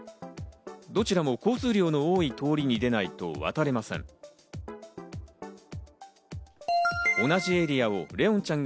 どちらも交通量の多い通りに出ないと渡れません。